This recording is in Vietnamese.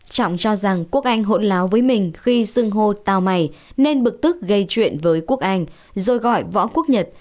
trọng cho rằng quốc anh hỗn láo với mình khi sưng hô tàu mày nên bực tức gây chuyện với quốc anh rồi gọi võ quốc nhật